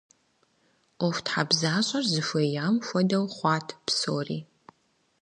ӀуэхутхьэбзащӀэр зыхуеям хуэдэу хъуат псори.